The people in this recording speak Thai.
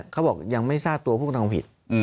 เขาบอกยังไม่ทราบตัวผู้กระทำผิด